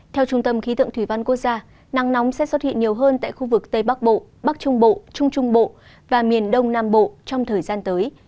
theo trung tâm khí tượng thủy văn quốc gia nắng nóng sẽ xuất hiện nhiều hơn tại khu vực tây bắc bộ bắc trung bộ trung trung bộ và miền đông nam bộ trong thời gian tới